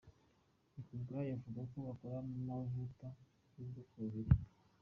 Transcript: Nikubwayo avuga ko bakora amavuta y’ubwoko bubiri.